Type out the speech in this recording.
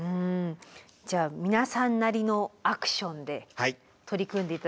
じゃあ皆さんなりのアクションで取り組んで頂けたら。